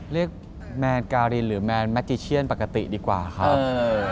เรียกแมนกาลินหรือแมนแมกจีเชียนปกติดีกว่าครับ